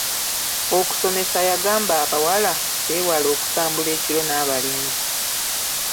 Okusomesa yagamba abawala beewale okutambula ekiro n'abalenzi.